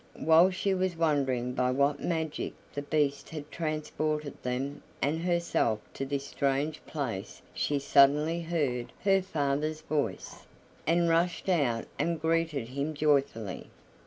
While she was wondering by what magic the Beast had transported them and herself to this strange place she suddenly heard her father's voice, and rushed out and greeted him joyfully.